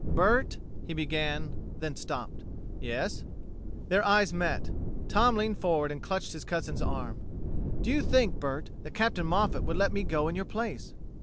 "Bert...." he began, then stopped. "Yes?" Their eyes met. Tom leaned forward and clutched his cousin's arm. "Do you think, Bert, that Captain Moffat would let me go in your place?"